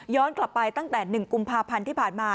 กลับไปตั้งแต่๑กุมภาพันธ์ที่ผ่านมา